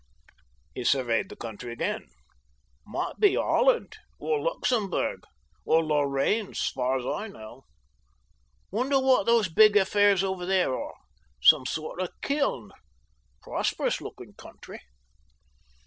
He surveyed the country again. "Might be Holland. Or Luxembourg. Or Lorraine 's far as I know. Wonder what those big affairs over there are? Some sort of kiln. Prosperous looking country..."